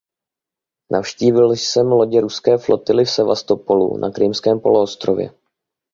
Navštívil jsem lodě ruské flotily v Sevastopolu, na Krymském poloostrově.